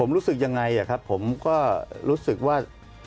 ผมรู้สึกยังไงครับผมก็รู้สึกว่า